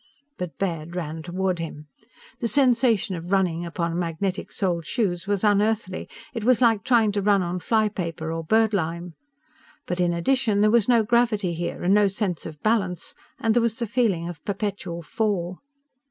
_" But Baird ran toward him. The sensation of running upon magnetic soled shoes was unearthly: it was like trying to run on fly paper or bird lime. But in addition there was no gravity here, and no sense of balance, and there was the feeling of perpetual fall.